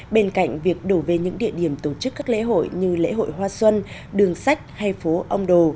bên cạnh việc đổ về những địa điểm tổ chức các lễ hội như lễ hội hoa xuân đường sách hay phố ông đồ